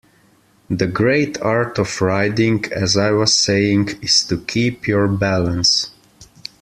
The great art of riding, as I was saying, is to keep your balance.